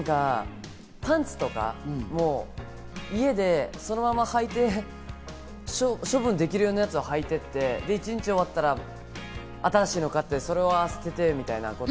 パンツとか家でそのままはいて、処分できるようなやつをはいていって、一日終わったら新しいやつを買って、それは捨ててみたいな。